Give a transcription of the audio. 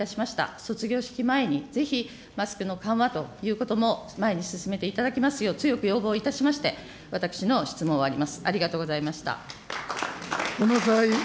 卒業式前に、ぜひマスクの緩和ということも前に進めていただきますよう強く要望しまして、私の質問を終わります。